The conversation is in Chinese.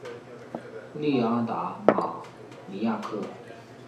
利阿达尔马尼亚克。